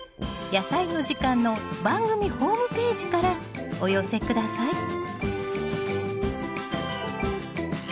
「やさいの時間」の番組ホームページからお寄せ下さい。